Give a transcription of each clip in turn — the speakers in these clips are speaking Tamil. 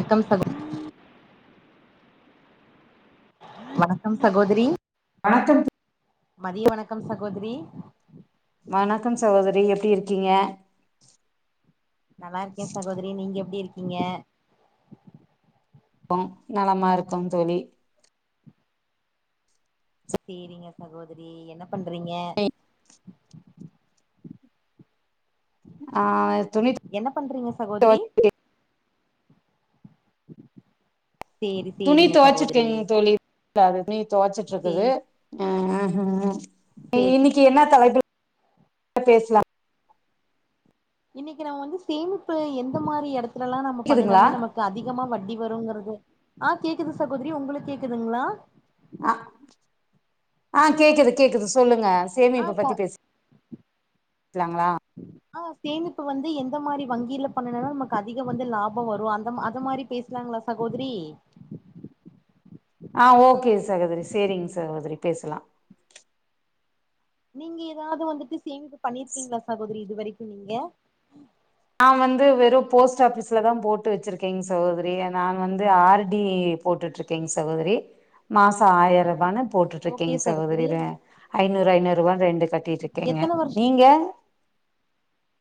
வக்கம் சகோ வணக்கம் சகோதரி வணக்கம் மதிய வணக்கம் சகோதரி வணக்கம் சகோதரி எப்டி இருக்கீங்க நல்லா இருக்கே சகோதரி நீங்க எப்டி இருக்கீங்க கோம் நலமா இருக்கோம் தோழி செரிங்க சகோதரி என்ன பண்றீங்க ம் ஆ துணி என்ன பண்றீங்க சகோதரி துவச்சிருக்கே சேரி துணி சேரிங்க சகோதரி தொவச்சிருக்கேங்க தோழி துணி தொவைச்சிட்டு இருக்குது சேரி ஆ அ சேரி இன்னைக்கி என்ன தலைப்பு பேசலா இன்னைக்கி நம்ம வந்து சேமிப்பு எந்த மாரி எடத்துல எல்லா நம்ம கேக்குதுங்களா பண்ணும்னு நம்ம கு அதிகமா வட்டி வருங்கிறது ஆ கேக்குது சகோதரி உங்களுக்கு கேக்குதுங்களா அ ஆ கேக்குது கேக்குது சொல்லுங்க ஆ சேமிப்பு ச பத்தி பேசலாங்களா ஆ சேமிப்பு வந்து எந்த மாரி வங்கியில பண்ணுணா நமக்கு அதிக வந்து லாபம் வரு அந்த அது மாரி பேசலாங்களா சகோதரி ஆ ஓகே சகோதரி செரிங்க சகோதரி பேசலா நீங்க ஏதாவது வந்துட்டு சேமிப்பு பண்ணிருக்கீங்களா சகோதரி இது வரைக்கு நீங்க நா வந்து வெறு போஸ்ட் ஆஃபிஸ்ல தா போட்டு வச்சிருக்கேங்க சகோதரி நா வந்து ஆர் டி போட்டுட்டு இருக்கேங் சகோதரி மாசோ ஆயிரரூபான்னு போட்டுட்டு இருக்கேங்க சகோதரி ஐநூறு ஐநூறு ரூபான்னு ரெண்டு கட் டிட்டு இருக்கேங்க எத்தன வருஷோ நீங்க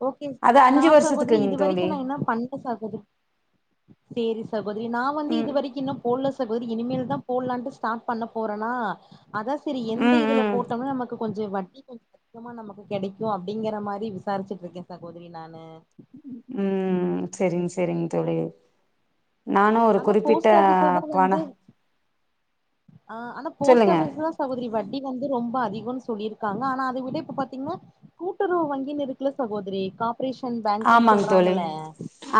ஓகே அது நா அஞ்சு சகோதரி வருஷத்துக்குங் இது தோழி வரைக்கும் நா இன்னு பண்ணல சகோதரி செரி சகோதரி நா வந்து ம் இது வரைக்கு இன்னு போடல சகோதரி இனிமேல் தா போடலான்ட்டு ஸ்டார்ட் பண்ண போறனா அதா செரி எந்த ம் இதுல ம் போட்டோம்னா நமக்கு கொஞ்சோ வட்டி கொஞ்சோ அதிகமா நமக்கு கெடைக்கு அப்டிங்கிற மாரி விசாரிச்சிட்டு இருக்கே சகோதரி நானு ம் செரிங் செரிங் தோழி நானு ஒரு ஆனா குறிப்பிட்ட போஸ்ட் ஆபீஸ்ல தா வந்து பணோ ஆ ஆனா போஸ்ட் சொல்லுங்க ஆபீஸ் ல சகோதரி வட்டி வந்து ரொம்ப அதிகோன்னு சொல்லியிருக்காங்க ஆனா அத விட இப்ப பாத்தீங்னா கூட்டுறவு வங்கினு இருக்குல்ல சகோதிரி காப் ரேஷன் பேங்கு ஆமாங் தோழி சொல்றாங்கள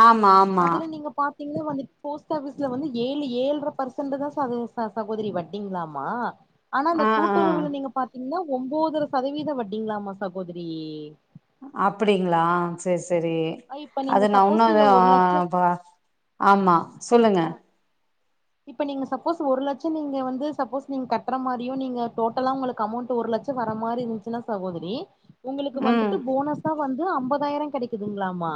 ஆமா ஆமா அதுல நீங்க பாத்தீங்னா வந்து போஸ்ட் ஆபீஸ்ல வந்து ஏழு ஏழுர பர்சன்ட் தா ச ச சகோதரி வட்டிங்ளாமா ஆனா அந்த ஆ ஆ கூட்டுறவுல நீங்க பாத்தீங்ன்னா ஒம்பதர சதவீத வட்டிங்ளாமா சகோதரி அப்டிங்களா சரி சரி இப்ப நீங்க அது நா உன்னூ சப்போஸ் நீங்க ஒரு லட்சம் இப்பா ஆமா சொல்லுங்க ஆ இப்ப நீங்க சப்போஸ் ஒரு லட்சொ நீங்க வந்து சப்போஸ் நீங்க கட்ற மாரியு நீங்க டோட்டலா உங்களுக்கு அமௌண்ட் ஒரு லட்ச் ச வர மாரி இருந்துச்சுனா சகோதரி உங்களுக்கு ம் வந்துட்டு போனஸா வந்து ஐம்பதாயிரொ கெடைக்குதுங்ளாமா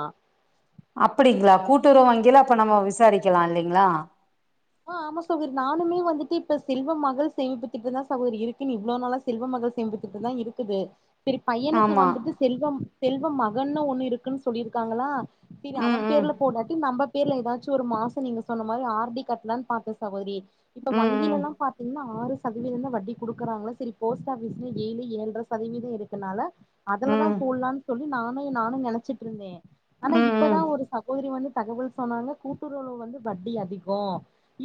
அப்டிங்களா கூட்டுறவு வங்கில அப்ப நம்ம விசாரிக்லா இல்லைங்ளா ஆ ஆமா சகோதரி நானுமே வந்துட்டு இப்ப செல்வ மகள் சேமிப்புத்திட்டந் தா சகோதரி இருக்குன்னு இவ்ளவு நாளா செல்வ மகள் சேமிப்புத்திட்டந் தா இருக்குது செரி பையனுக்கு ஆமா வந்துட்டு செல்வ செல்வ மகன்னு ஒண்ணு இருக்குன்னு சொல்லிருக்காங்ளா செரி ம் அவன் ம் பேர்ல போடாட்டி நம்ம பேர்ல ஏதாச்சு ஒரு மாசொ நீங்க சொன்ன மாரி ஆர் டி கட்டலான்னு பாத்தே சகோதரி இப்ப ம் வங்கிலலா பாத்தீங்கன்னா ஆறு சதவீதந் தா வட்டி குடுக்குறாங்ளா சேரி போஸ்ட் ஆபீஸ்ல ஏழு ஏழுர சதவீதோ இருக்குனால ம் அதுலதா ம் போடலானு சொல்லி நானு நானு நெனச்சிட்டுருந்தே ஆனா ம் இப்பதா ம் ஒரு சகோதரி வந்து தகவல் சொன்னாங்க கூட்டுறவுல வந்து வட்டி அதிகொ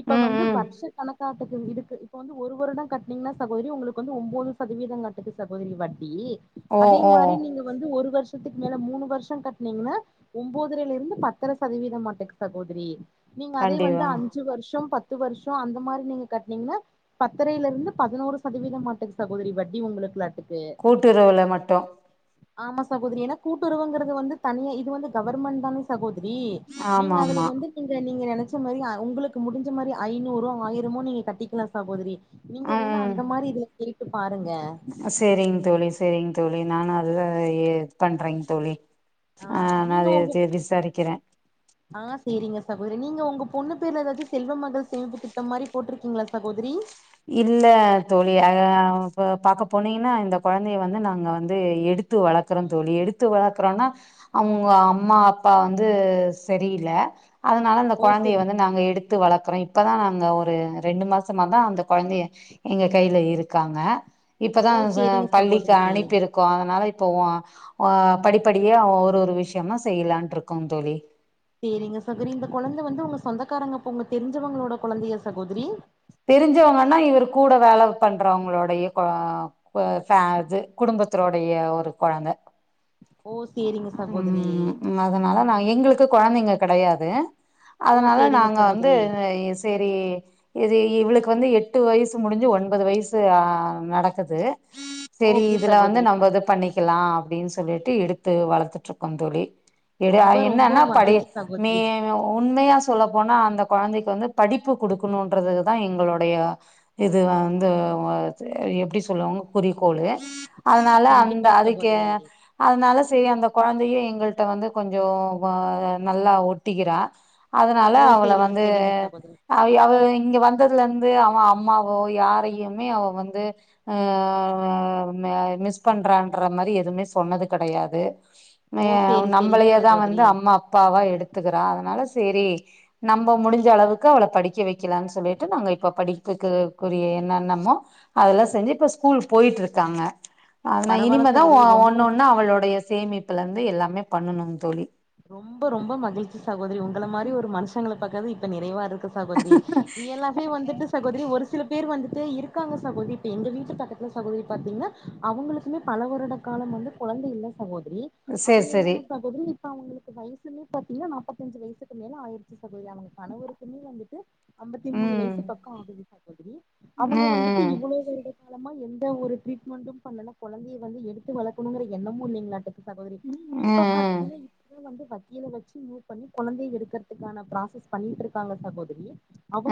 இப்ப ம் வந்து ம் வருஷ கணக்காட்டுக்கு இருக்கு இப்ப வந்து ஒரு வருடொ கட்னீங்னா சகோதரி ஒங்களுக்கு வந்து ஒம்போது சதவீதம் மாட்டுக்கு சகோதரி வட்டி ஓ அதே ஓ மாரி நீங்க வந்து ஒரு வருஷத்துக்கு மேல மூணு வருஷொ கட்னீங்னா ஒம்போதரயிலருந்து பத்தர சதவீத மாட்டுக்கு சகோதரி நீங்க அதே வந்து கண்டிப்பா அஞ் சு வருஷொ பத்து வருஷொ அந்த மாரி நீங்க கட்னீங்னா பத்தரையிலுருந்து பதினோரு சதவீதமாட்டுக்கு சகோதரி வட்டி ஒங்களுக்கு லாட்டு கூட்டுறவுல மட்டு ஆமா சகோதரி ஏனா கூட்டுறவுங்கிறது வந்து தனியா இது வந்து கவர்மெண்ட் தானே ச கோதரி நீங்க ஆமா அதுல ஆமா வந்து நீங்க நீங்க நெனைச்ச மாரி உங்களுக்கு முடிஞ்ச மாரி ஐநூறோ ஆயிரமோ நீங்க கட்டிக்லா சகோதரி நீங்க வேணா அந்த மாரி இதில கே ட்டு பாருங்க செரிங்க தோழி செரிங்க தோழி நானு அததா இது பண்றேங் தோழி ஆ நா நீங்க உங்க அத விசாரிக்கிற ஆ சேரிங்க சகோதரி நீங்க ஒங்க பொண்ணு பேருல ஏதாச்சு செல்வ மகள் சேமிப்பு திட்டொ மாரி போட்டிருக்கீங்ளா சகோதரி இல்ல தோழி அத இப்ப பாக்க போனீங்னா இந்த கொழந்தைய வந்து நாங்க வந்து எடுத் து வளர்க்றோ தோழி எடுத்து வளர்க்றோனா அவுங்க அம்மா அப்பா வந்து செரி இல்ல அதனால அந்த ஓ கொழந்தய சரி வந்து நாங்க எடுத்து வளக்றோ இப்போதா நாங்க ஒரு ரெண்டு மாசமா தா அந்த கொழந்தய எங்க கைல இருக்காங்க இப்பதா ஓ ச சேரிங்க பள்ளிக்கு சகோதரி அனுப்பிருக் க்கோ அதனால இப்போ ஆ படிப்படியா ஒரு ஒரு விஷயமா த செய்யலான்ருக்கொ தோழி செரிங்க சகோரி இந்த கொழந்த வந்து ஒங்க சொந்தக்காரங்க பொண்ணு ஒங்க தெரிஞ்சவங்களோட கொழந்தயா சகோதரி தெரிஞ்சவங்கன்னா இவரு கூட வேல பண்றவங்களோடைய கொ அ ஃப அது குடும்பத்தோடைய ஒரு கொழந்த ஓ அ சேரிங்க சகோதரி ம் அதனால நா எங்களுக்கு கொழந்தைங்க கெடையாது ஓ அதனால சேரிங்க நாங்க வந்து சகோதரி செரி இது இவளுக்கு வந்து எட்டு வயசு முடிஞ்சு ஒம்போது வயசு ஆ நடக்குது செரி ஓகே இதுல வந்து சகோதரி நம்ம இது பண்ணிக்கலா அப்டின்னு சொல்லிட்டு எடுத்து வளத்துட்டுருக்கோ தோழி எடயா ரொம்ப ரொம்ப என்னன்னா படைய மகிழ்ச்சி மே சகோதரி உண்மையா சொ ல்ல போனா அந்த கொழந்தைக்கு வந்து படிப்பு குடுக்கணுன்றது தா எங்களுடைய இது வந்து எப்டி சொல்லுவாங்க குறிக்கோளு அதனால அந்த கண்டிப்பா அதுக்கே சகோதரி அதனால சேரி அந்த கொழந்தையு எங்கள்ட்ட வந்து கொஞ்சோ நல்லா ஒட்டிக்கிறா அதனால ஓ அவள சேரிங்க வந்து சேரிங்க சகோதரி அவ இங்க வந்ததுலருந்து அவ அம்மாவோ யாரையுமே அவ வந்து ஆ மிஸ் பண்றான்ற மாரி எதுவுமே சொன்னது கெடையாது ஓ சேரி சேரிங்க நம்மளயேதா வந்து சகோதரி அம்மா அப்பாவா எடுத் துக்கற அதனால செரி நம்ம முடிஞ்ச அளவுக்கு அவள படிக்க வெக் கலானு சொல்லிட்டு நாங்க இப்ப படிப்புக்குக்குரிய என்னெண்ணமோ அதெல்லா செஞ்சு இப்ப ஸ்கூல் போயிட்டு இருக்காங்க ஆனா பரவால்ல இனிமேதா சகோதரி ரொம்ப ஒன்னொன்னா அவளுடைய சேமிப்புல இருந்து எல்லாமே பண்ணணு தோழி ரொம்ப ரொம்ப மகிழ்ச்சி சகோதரி உங்கள மாரி ஒரு மனுஷங்கள பக்கற இப்ப நிறைவா இருக் கு சகோதரி ரியலாவே வந்துட்டு சகோதரி ஒரு சில பேர் வந்துட்டு இருக் காங்க சகோதரி எங்க வீட்டு பக்கத்தில சகோதரி பார்த்தீங்ன்னா அவங்களுக்குமே பல வருட காலம் வந்து குழந்தை இல்ல சகோதரி சேரி அவங்க சேரி என்னன்னா சகோதரி இப்ப அவங்களுக்கு வயசுமே பாத்தீங்க நாப்பத்தஞ்சு வயசுக்கு மேல ஆயிறுச்சி சகோதரி அவங்க கணவருக்குமே வந்துட்டு ஐம்பத்தி மூணு ம் வயசு பக்கோ ஆகுது சகோதரி அவங்க ம் வந்துட்டு ம் இவ்வளோ வருட காலமா எந்த ஒரு ட்ரீட்மெண்ட்டு பண்ணல கொழந்தைய வந்து எடு வளக்கணுங்கற எண்ணமு இல்லைங்களாட்டு சகோதரி இப்ப ம் பார்த்தீங்ன்னா இப் வந்து வக்கில வச்சு மூவ் பண்ணி கொழந்தைய எடுக்கறதுக்கான ப்ராசஸ் பண்ணிட்டு இருக்காங்க சகோதரி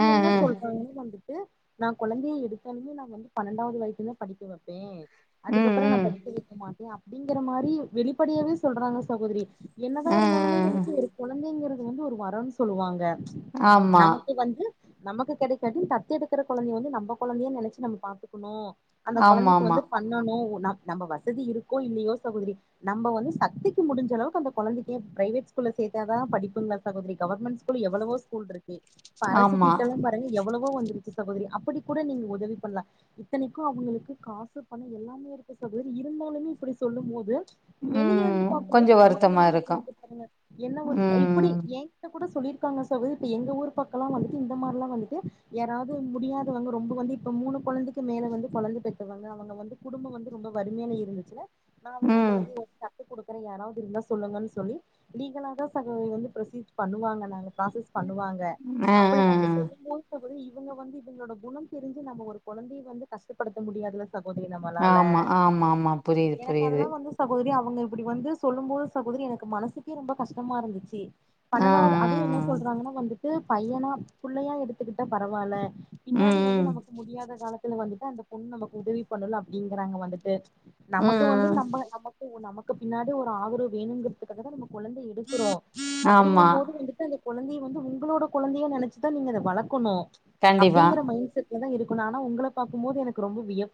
ம் என்ன ம் சொல் [unintelligible] வந்துட்டு நா கொழந்தைய எடுத்தாலுமே நா வந்துட்டு பன்னெண்டாவது வயசுல தா படிக்க வப்பே ம் அதுக்கப்பற நா ம் படிக்க வெக்க மாட்டே அப்டிங்கிற மாரி வெளிப்படையவே சொல்றாங்க சகோதரி என்னதா இருந்தாலுமே ம் உங்களுக்கு ஒரு குழந்தைங்கிறது வந்து ஒரு வரன் சொல்லுவாங்க ஆமா நமக்கு வந்து நமக்கு கெடைக்காட்டி தத்து எடுக்கிற கொழந்தைய வந்து நம்ம கொழந்தையா நெனைச்சு நம்ம பாத்துக்கணு அந்த கொழந்தைக்கு ஆமாமா வந்து பாத் பண்ணனு நம்ம வசதி இருக்கோ இல்லையோ சகோதரி நம்ம வந்து சக்திக்கு முடிஞ்சளவுக்கு அந்த கொழந்தைக்கே பிரைவேட் ஸ்கூல்ல சேர்த்த தா படிப்புங்களா சகோதரி கவர்மெண்ட்ஸ்கூல் எவ்ளவோ ஸ்கூல்ருக் கு இப்ப அரசு ஆமா திட்டல்லா பாருங்க எவ்ளவோ வந்துருச்சு சகோதரி அப்படி கூட நீங்க உதவி பண்லா இத்தனைக்கு அவங்களுக்கு காசு பணம் எல்லாமே இருக்கு சகோதரி இருந்தாலுமே இப்டி சொல்லும் போது வெளியே ம் இருந்து பாக்கும்போது கொஞ்சோ நமக்கு வருத்தமா வந்து எப்டி இருக்கு பாருங்க என்ன ஒரு இப்டி ம் ஏ கூட சொல்லிருக்காங்க இப்ப எங்க ஊர் பக்கலா வந்துட்டு இந்த மாரில்லா வந்துட்டு யாராவது முடியாதவங்க ரொம்ப வந்து இப்ப மூணு கொழந்தைக்கு மேல வந்து குழந்தை பெத்தவங்க அவங்க வந்து குடும்பம் வந்து ரொம்ப வறுமையில இருந்துச்சுனா நா வேணா ம் கொழந்தைய தத்துக்டுக்கறே யாராவது இருந்தா சொல்லுங்கன் சொல்லி லீகலா தா சகோதரி வந்து ப்ரொசீஸ் பண்ணுவாங்க நாங்க ப்ராசஸ் பண்ணுவாங்க அ அப்படி அ நம்ம சொல்லும்போது சகோதரி இவங்க வந்து இவங்களோட குண தெரிஞ்சி நம்ம ஒரு குழந்தைய வந்து கஷ்டப்படுத்த முடியாதுல சகோதரி நமலால ஆமா ஆமாமா புரியுது எனக்கு புரியுது அதெல்லா வந்து சகோதரி அவங்க இப்டி வந்து சொல்லும் போது சகோதரி எனக்கு மனசுக்கே ரொம்ப கஷ்டமா இருந்துச்சி ஆ ஆ பன்னெண்டாவது ஆ அதுவு என்ன சொல்றாங்கனா வந்துட்டு பையனா புள்ளையா எடுத்துக்கிட்டா பரவால ம் பின்னாடி வந்து ம் நமக்கு முடியாத காலத்துல வந்துட்டு அந்த பொண்ணு நமக்கு உதவி பண்ணுல அப்டிங்கறாங்க வந்துட்டு நமக்கு வந்து ம் நம்ம நமக்கு நமக்கு பின்னாடி ஒரு ஆதரவு வேணுங்கறதுக்காக தா நமக்கு கொழந்தைய எடுக்கறோ ஆமா அப்டிங்கம் போது வந்துட்டு அந்த கொழந்தைய வந்து உங்களோட கொழந்தையா நெனைச்சுதா நீங்க அத வளக்கணுமன கண்டிப்பா அப்டிங்கற மைண்ட செட் தா இருக்கணு ஆனா உங்கள பாக்கும்போது எனக்கு ரொம்ப வியப்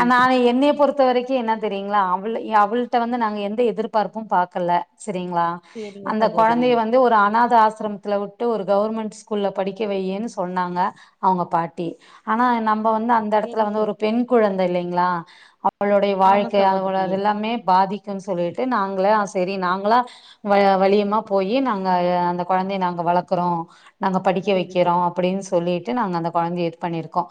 அ நானு என்னைய பொறுத்த வரைக்கு என்ன செரிங்களா அவளு அவள்ட வந்து நாங்க எந்த எதிர்பார்ப்பு பாக்ல செரிங்ளா சேரிங்க அந்த சகோதரி கொழந்தைய வந் து ஒரு அநாத ஆசிரமத்துல வுட்டு ஒரு கவர்மெண்ட் ஸ்கூல்ல படிக்க வையின்னு சொன்னாங்க அவுங்க பாட்டி ஆனா நம்ம வந்து அந்த சேரி எடத்துல சே வந்து ஒரு பெண் குழந்த இல்லைங்களா அவளுடைய ஆமா வாழ்க்கை அ சகோதரியே அது எல்லாமே பாதிக்கும் சொல்லிட்டு நாங்களே சரி நாங்களா வ வலியமா போயி நாங்க அந்த கொழந்தைய நாங்க வளக்குறோ நாங்க படிக்க சேரி வக்கிறோ சேரி அப்டின்னு சொல்லிட்டு நாங்க அந்த கொழந்தைய இது பண்ணிருக்கோ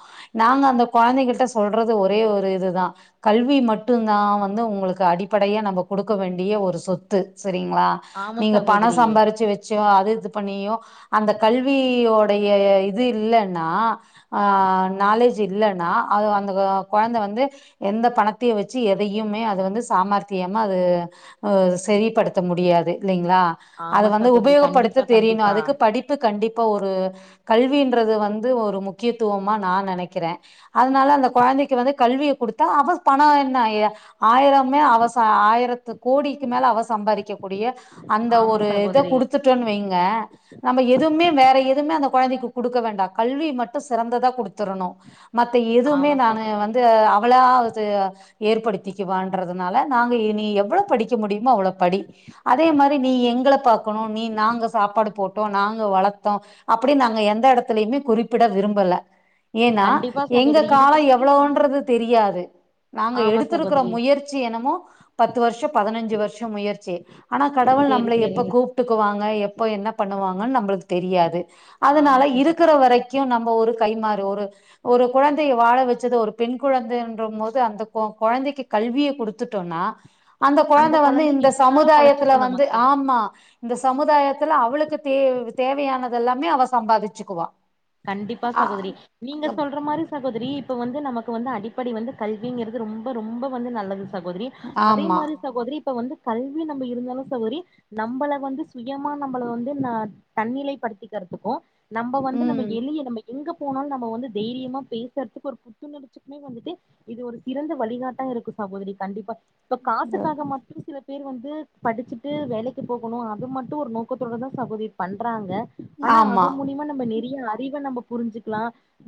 நாங்க அந்த கொழந்தைகிட்ட ஸ் சொல்றது ஒரே ஒரு இதுதா கல்வி மட்டுந்தா வந்து உங்களுக்கு அடிப்படையா நம்ம கொடுக்க வேண்டிய ஒரு சொத்து சரிங்களா ஆமா நீங்க சகோதரி பணம் சம்பாருச்சு வ ச்சோ அது இது பண்ணியு அந்த கல்வியோடைய இது இல்லன்னா ஆ நாலேஜு இல்லைன்னா அது அந்த கொழந்த வந்து எந்த பணத்தையு வச்சு எதையுமே அது வந்து சாமார்த்தியமா அது அ சரிப்படுத்த முடியாது இல்லைங்களா அத ஆமா வந்து சகோதரி உபயோகப்படுத்த கண்டிப்பா தெரியணு கண்டிப்பா அதுக்கு படி பு கண்டிப்பா ஒரு கல்வின்றது வந்து ஒரு முக்கியத்துவமா நா நெனைக்கிறே அதனால அந்த கொழந்தைக்கு வந்து கல்விய குடுத்தா அவ பண என்ன ஆயிரமே அவ ச ஆயிரத்து கோடிக்கு மேல அவ சம்பாதிக்க கூடிய அந்த ஆமா ஒரு இத சகோதரி குடுத்துட்டோன்னு வைங்க நம்ம எதுவுமே வேற எதுவுமே அந்த கொழந்தைக்கு குடுக்க வேண்டா கல்வி மட்டு சிறந்ததா குடுத்துரணு மத்த எதுவுமே ஆமா நானு சகோதரி வந்து அவளாவது ஏற்படுத்திக்குவான்றதுனால நாங்க இனி நீ எவ்வளோ படிக்க முடியுமோ அவ்வளோ படி அதே மாரி நீ எங்கள பாக்கணு நீ நாங்க சாப்பாடு போ நாங்க வளத்தோ அப்படின்னு நாங்க எந்த எடத்துலயுமே குறிப்பிட விரும்பல ஏனா கண்டிப்பா எங்க சகோதரி இது கால வந்துட்டு ரொம்ப எவ்வளவுன்றது தெரியாது நாங்க ஆமா எடுத்திருக்கற சகோதரி முயற்சி என்னமோ பத்து வருஷம் பதினஞ்சு வருஷம் முயற்சி ஆனா கடவுள் சேரி நம்பள எப்ப சேரிங்க கூப் கூப்ட்டுக்குவாங்க எப்போ என்ன பண்ணுவாங்கன் நம்மளுக்கு தெரியாது ஆமா அதனால சகோதரி இருக்கிற வரைக் க்கு நம்ப ஒரு கை மாறு ஒரு ஒரு குழந்தைய வாழ வச்சது ஒரு பெண் குழந்தைன்றம் போது அந்த கொ கொழந்தைக்கு கல்விய கொடு த்துட்டோனா அந்த கொழந்த வந்து கொழந்தை இந்த எப்டினாலு சமுதாயத்துல பொழச்சுக்கு வந்து நமக்கு ஆமா இந்த சமுதாயத்துல அவளுக்கு தே தேவையானது எல்லாமே அவ சம்பாதிச்சுக்குவா கண்டிப்பா ஆ- சகோதரி நீங்க சொல்ற மாரி சகோதரி இப்ப வந்து நமக்கு வந்து அடிப்படை வந்து கல்விங்கிறது ரொம்ப ரொம்ப வந்து நல்லது சகோதரி அதே ஆமா மாரி சகோதரி இப்ப வந்து கல்வி நம்ம இருந்தாலு சகோரி நம்பள வந்து சுயமா நம்பள வந்து ந தன்னிலை படுத்திக்கிறதுக்கு நம்ப வந்து நம்ப ம் நம்ப எங்க போனாலு நம்ம வந்து தைரியமா பேசுறதுக்கு ஒரு புத்துணர்ச்சிக்குமே வந்துட்டு இது ஒரு சிறந்த வழிகாட்டா இருக்கு சகோதரி கண்டிப்பா இப்ப காசுக்காக மட்டு சில பேர் வந்து படிச்சுட்டு வேலைக்கு போகணு அது மட்டு ஒரு நோக்கத்தோடு தா சகோதி பண்றாங்க ஆனா ஆமா அது மூலிமா நம்ம நிறைய அறிவ நம்ப புரிஞ்சுக்கலா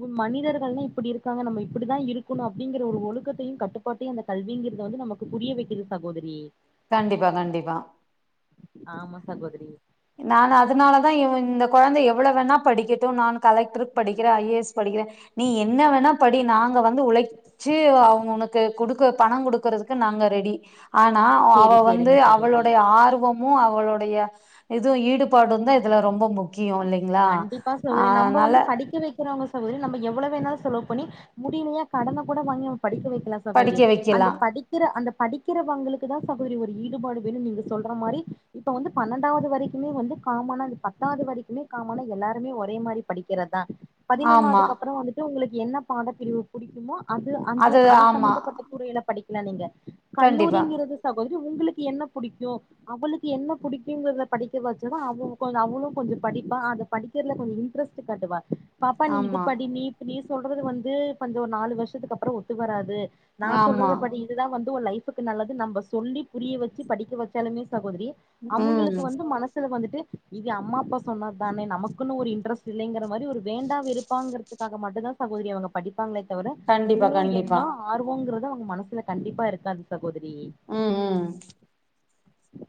ஒ மனிதர்கள்லா இப்பிடி இருக்காங்க நம்ம இப்பிடிதா இருக்கணு அப்டிங்கிற ஒரு ஒழுக்கத்தையு கட்டு போட்டி அந்த கல்விங்கிறத வந்து நமக்கு புரிய வக்கிது சகோதரி கண்டிப்பா கண்டிப்பா ஆமா சகோதரி நானு அதனாலதா இவு இந்த கொழந்தை எவ்வள வேணா படிக்கட்டு நானு கலெக்ட்ருக்கு படிக்கிறே ஐஏஸ் படிக்கிறே நீ என்ன வேணா படி நாங்க வந்து உழைச்சு அவுங்க உனக்கு குடுக்க பண குடுக்குறதுக்கு நாங்க ரெடி ஆனா அவ சேரி வந்து சேரிங்க சகோதரி அவளுடைய ஆர்வம் மு அவளுடைய இதுவு ஈடுபாடு தா இதுல ரொம்ப முக்கியோ இல்லை கண்டிப்பா சகோதரி நம்ப வந்து படிக்க வைக் க்கிரோங்க சகோதரி நம்ம எவ்ளோ வேணாலு செலவு பண்ணி முடியலையா கடன கூட வாங்கி அவ படிக்க வைக்கலா சகோதரி படிக்க அந்த வைக்கலா படிக் க்கிற அந்த படிக்கிறவங்களுக்கு தா சகோதரி ஒரு ஈடுபாடு வேணு நீங்க சொல்ற மாரி இப்ப வந்து பன்னெண்டாவது வரைக்குமே வந்து காமனா அது பத்தாவது வரைக்குமே காமனா எல்லாருமே ஒரே மாரி படிக்கிறதுதா ஆமா பதினொண்னாவதுக்கு அப்பற வந்துட்டு டு உங்களுக்கு என்ன பாடப்பிரிவு பிடிக்குமோ அது அந்த அது சம்பந்தப்பட்ட துறையில படிக்கலா நீங்க கண்டிப்பா கல்லூரிங்கிறது சகோதரி உங்களுக்கு என்ன புடிக்கு அவளுக்கு என்ன பிடிக்குங்கறத படிக்க வச்சா தா அவ கொஞ்சோ அவளு கொஞ்சோ படி ப்பா அத படிக்கிறதுல கொஞ்சோ இன்ட்ரெஸ்ட் காட்டுவா பாப்பா நீ இது ஆமா படி நீ நீ சொல்றது வந்து கொஞ்சோ ஒரு நாலு வருஷத்துக்கு அப்பற ஒத்து வராது நா ஆமா சொல்றத படி இதுதா வந்து ஒரு லைஃபுக்கு நல்லது நம்ம சொல்லி புரிய வச்சி படிக்க வச்சாலுமே சகோதரி ம் அவுங்களுக்கு வந்து மனசுல வந்துட்டு இது அம்மா அப்பா சொன்னா தானே நமக்குன்னு ஒரு இன்ட்ரெஸ்ட் இல்லங்கிற மாரி ஒரு வேண்டா வெருப்பாங்கிறதுக்காக மட்டுந்தா சகோதரி அவுங்க படிப்பாங்களே தவிர கண்டிப்பா முழு கண்டிப்பா எண்ணோ ஆர்வங்கறது அவுங்க மனசுல கண்டிப்பா இருக்காது சகோதரி ம் ம்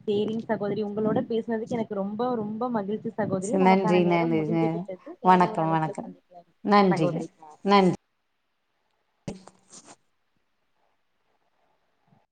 சேரிங் சகோதரி ம் உங்களோட பேசுனதுக்கு எனக்கு ரொம்ப ரொம்ப மகிழ்ச்சி சகோதரி நன்றி நமக்கான நேர நன்றி முடிந்து விட்டது வேற ஒரு வணக்கம் அழைப்புல வணக்கம் சந்திக்கலா நன்றிங்க சகோதரி நன்றி